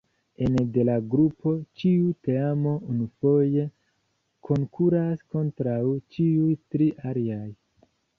Ene de la grupo ĉiu teamo unufoje konkuras kontraŭ ĉiuj tri aliaj.